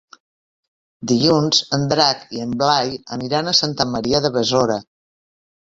Dilluns en Drac i en Blai aniran a Santa Maria de Besora.